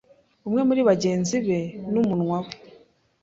Umwe muri bagenzi be n'umunwa we